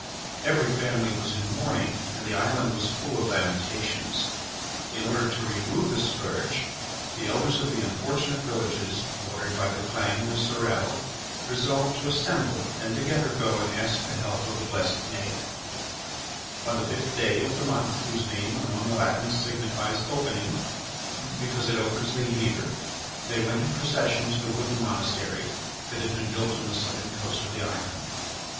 Every family was in mourning and the island was full of lamentations. In order to remove the scourge, the Elders of the unfortunate villages watered by the Clange and the Surelle resolved to assemble and together go and ask the help of the blessed Maël. On the fifth day of the month whose name among the Latins signifies opening, because it opens the year, they went in procession to the wooden monastery that had been built on the southern coast of the island.